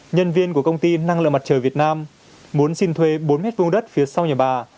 nhân viên của công ty năng lượng mặt trời việt nam muốn xin thuê bốn m hai đất phía sau nhà bà